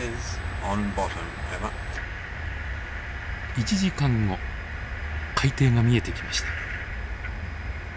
１時間後海底が見えてきました。